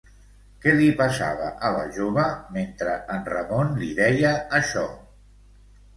Què li passava a la jove mentre en Ramon li deia això?